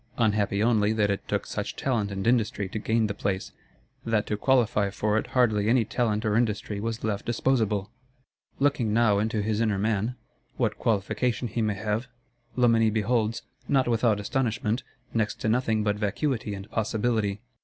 Unhappy only that it took such talent and industry to gain the place; that to qualify for it hardly any talent or industry was left disposable! Looking now into his inner man, what qualification he may have, Loménie beholds, not without astonishment, next to nothing but vacuity and possibility.